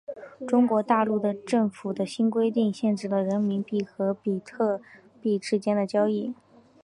中国大陆政府的新规定限制了人民币和比特币之间的交易。